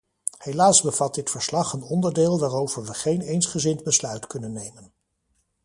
Helaas bevat dit verslag een onderdeel waarover we geen eensgezind besluit kunnen nemen.